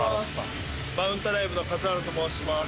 マウントアライブの數原と申します。